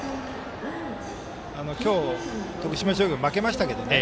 今日、徳島商業負けましたけどね